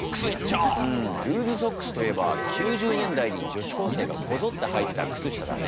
うんルーズソックスといえば９０年代に女子高生がこぞってはいてた靴下だね。